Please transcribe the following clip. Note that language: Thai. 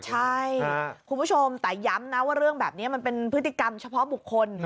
ใช่คุณผู้ชมแต่ย้ำนะว่าเรื่องแบบนี้มันเป็นพฤติกรรมเฉพาะบุคคล